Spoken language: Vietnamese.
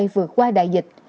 vượt qua đại dịch